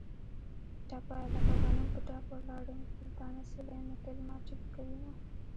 ټپه: لکه غنم په ډاګ ولاړ یم. د بېلتانه سیلۍ مې تېل ماټېل کوینه.